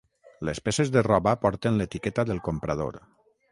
Les peces de roba porten l'etiqueta del comprador.